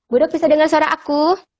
budok bisa dengar suara aku